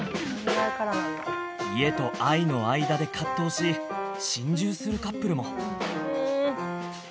「家と愛の間で葛藤し心中するカップルも」。